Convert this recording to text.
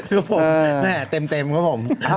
นั่นแหละเต็มกับผม